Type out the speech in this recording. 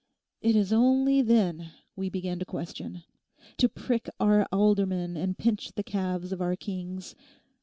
_—it is only then we begin to question; to prick our aldermen and pinch the calves of our kings.